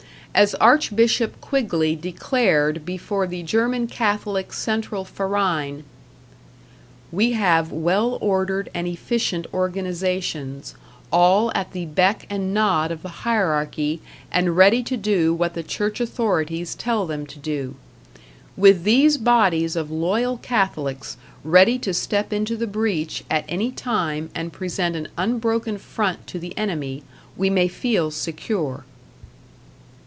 As Archbishop Quigley declared before the German Catholic Central Verein: We have well ordered and efficient organizations, all at the beck and nod of the hierarchy and ready to do what the church authorities tell them to do. With these bodies of loyal Catholics ready to step into the breach at any time and present an unbroken front to the enemy we may feel secure.